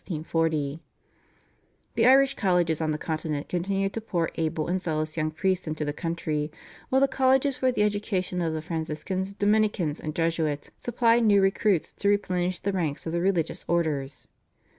The Irish colleges on the Continent continued to pour able and zealous young priests into the country, while the colleges for the education of the Franciscans, Dominicans, and Jesuits supplied new recruits to replenish the ranks of the religious orders.